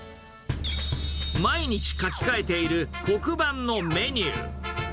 毎日書き換えている黒板のメニュー。